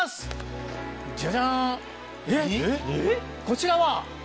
こちらは？